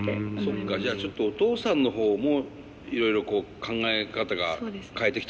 そっかじゃあちょっとお父さんの方もいろいろ考え方が変えてきたのかな。